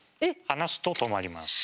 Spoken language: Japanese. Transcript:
離すと止まります。